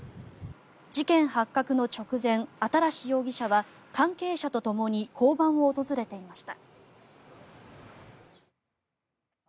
事件発覚の直前、新容疑者は関係者とともに交番を訪れていました。